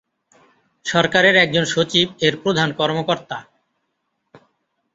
সরকারের একজন সচিব এর প্রধান কর্মকর্তা।